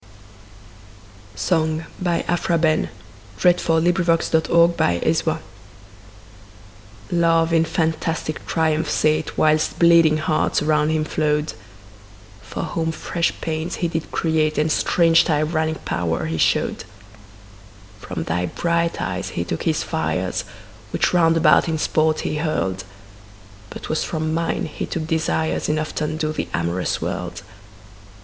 English Verse: 1250–1900. Aphra Behn. 1640–1689 411. Song LOVE in fantastic triumph sate Whilst bleeding hearts around him flow'd, For whom fresh pains he did create And strange tyrannic power he show'd: From thy bright eyes he took his fires, 5 Which round about in sport he hurl'd; But 'twas from mine he took desires Enough t' undo the amorous world.